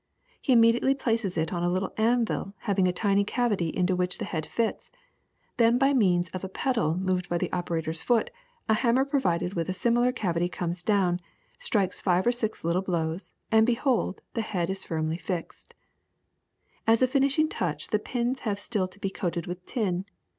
He immediately places it on a little anvil having a tiny cavity into which the head fits; then by means of a pedal moved by the operator's foot a hammer provided with a similar cavity comes down, strikes five or six little blows, and behold the head firmly fixed. As a finishing touch the pins have still to be coated with tin.